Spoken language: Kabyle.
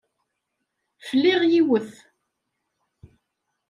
Fliɣ yiwet.